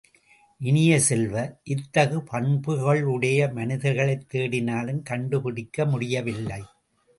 இனிய செல்வ, இத்தகு பண்புகளுடைய மனிதர்களைக் தேடினாலும் கண்டுபிடிக்க முடியவில்லை.